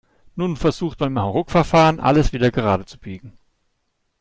Nun versucht man im Hauruckverfahren, alles wieder gerade zu biegen.